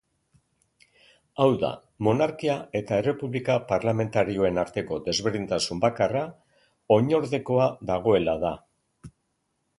Hau da, monarkia eta errepublika parlamentarioen arteko desberdintasun bakarra oinordekoa dagoela da.